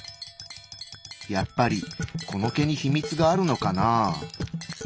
やっぱりこの毛に秘密があるのかなぁ。